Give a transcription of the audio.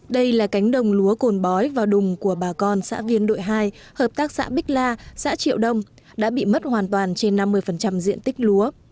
đây là cánh đồng lúa cồn bói vào đùng của bà con xã viên đội hai hợp tác xã bích la xã triệu đông đã bị mất hoàn toàn trên năm mươi diện tích lúa